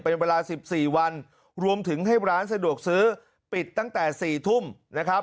เป็นเวลาสิบสี่วันรวมถึงให้ร้านสะดวกซื้อปิดตั้งแต่๔ทุ่มนะครับ